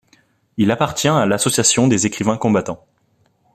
Il appartient à l'Association des écrivains combattants.